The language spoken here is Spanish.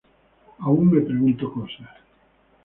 Aún me pregunto cosas.